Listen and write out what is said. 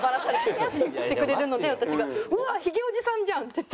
やってくれるので私が「うわヒゲおじさんじゃん！」って言って。